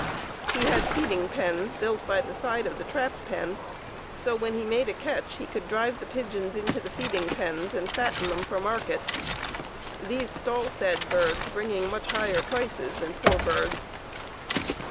He had feeding pens built by the side of the trap pen, so when he made a catch he could drive the pigeons into the feeding pens and fatten them for market, these "stall fed" birds bringing much higher prices than poor birds.